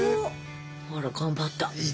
あら頑張った。